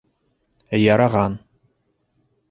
- Яраған.